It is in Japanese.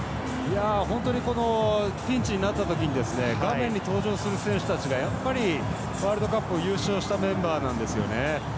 本当にピンチになった時に画面に登場する選手たちがワールドカップを優勝したメンバーなんですよね。